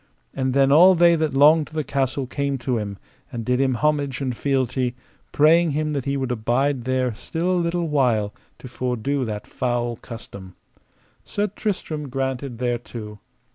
And then all they that longed to the castle came to him, and did him homage and fealty, praying him that he would abide there still a little while to fordo that foul custom. Sir Tristram granted thereto.